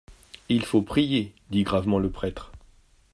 , Il faut prier, dit gravement le prêtre.